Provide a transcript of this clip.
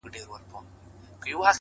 ځم د روح په هر رگ کي خندا کومه؛